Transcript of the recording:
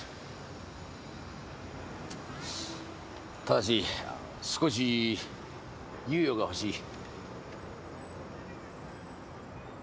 ただし少し猶予が欲しい。